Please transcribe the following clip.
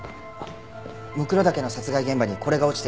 骸岳の殺害現場にこれが落ちていました。